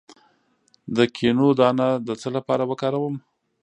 د کینو دانه د څه لپاره وکاروم؟